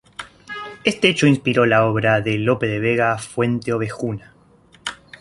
Este hecho inspiró la obra de Lope de Vega Fuenteovejuna.